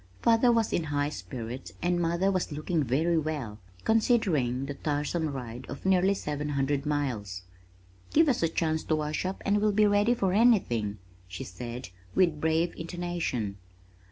Father was in high spirits and mother was looking very well considering the tiresome ride of nearly seven hundred miles. "Give us a chance to wash up and we'll be ready for anything," she said with brave intonation.